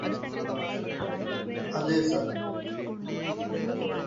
അതേ സര്